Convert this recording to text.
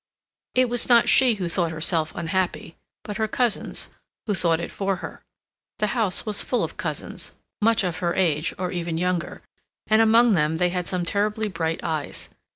It was not she who thought herself unhappy, but her cousins, who thought it for her. The house was full of cousins, much of her age, or even younger, and among them they had some terribly bright eyes.